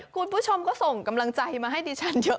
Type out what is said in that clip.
คุณผู้ชมก็ส่งกำลังใจมาให้ดิฉันเยอะ